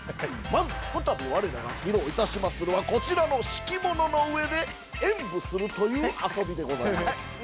まずこたび我らが披露いたしまするはこちらの敷物の上で演舞するという遊びでござりまする。